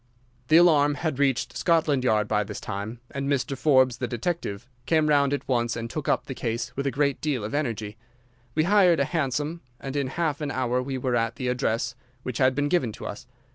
"The alarm had reached Scotland Yard by this time, and Mr. Forbes, the detective, came round at once and took up the case with a great deal of energy. We hired a hansom, and in half an hour we were at the address which had been given to us.